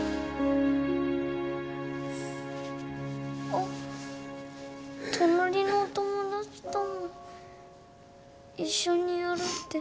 あっ隣のお友達とも一緒にやるって約束してたんだ。